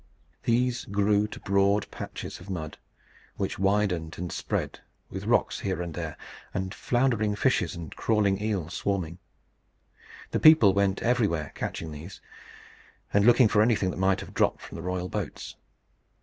These grew to broad patches of mud, which widened and spread, with rocks here and there, and floundering fishes and crawling eels swarming. The people went everywhere catching these, and looking for anything that might have dropped from the royal boats.